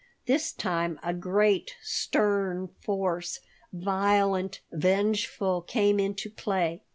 This time a great, stern force, violent, vengeful, came into play.